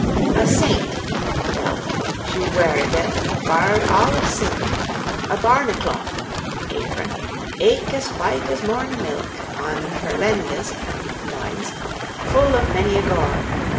A ceynt (belt) she werede barred al of silk, A barneclooth (apron) eek as whyt as morne milk Upon hir lendes (loins), ful of many a gore.